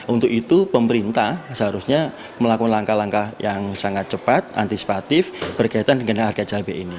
untuk itu pemerintah seharusnya melakukan langkah langkah yang sangat cepat antisipatif berkaitan dengan harga cabai ini